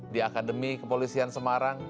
di akademi kepolisian semarang